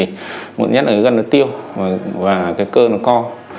mức độ muộn nhất là cái gân nó tiêu và cái cơ nó co